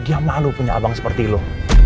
dia malu punya abang seperti lo